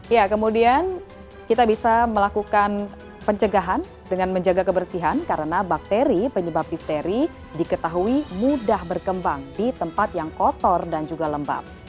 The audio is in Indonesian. ya kemudian kita bisa melakukan pencegahan dengan menjaga kebersihan karena bakteri penyebab difteri diketahui mudah berkembang di tempat yang kotor dan juga lembab